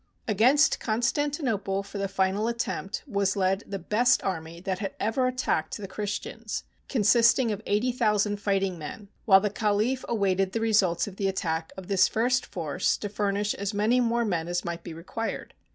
Against Constantinople for the final attempt was led the best army that had ever attacked the Chris tians, consisting of eighty thousand fighting men, while the Caliph awaited the result of the attack of this first force to furnish as many more men as might be required.